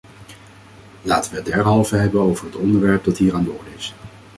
Laten we het derhalve hebben over het onderwerp dat hier aan de orde is.